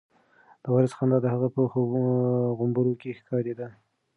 د وارث خندا د هغه په غومبورو کې ښکارېده.